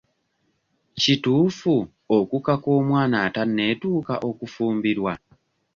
Kituufu okukaka omwana atanneetuuka okufumbirwa?